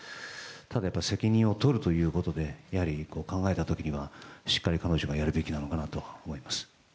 ただ、責任を取るということで考えたときは、しっかり彼女がやるべきなのかなと思います。